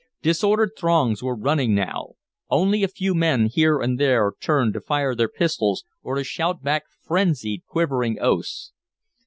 Disordered throngs were running now. Only a few men here and there turned to fire their pistols or to shout back frenzied, quivering oaths.